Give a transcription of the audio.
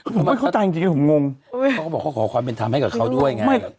ผมไม่เข้าใจจริงจริงผมงงสมมติว่าเขาส่งขอความเป็นทำให้กับเขาด้วย